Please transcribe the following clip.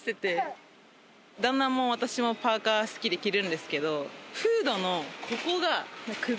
旦那も私もパーカー好きで着るんですけど。